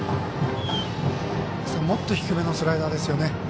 もっと低めのスライダーですよね。